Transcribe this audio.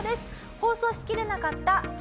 放送しきれなかった激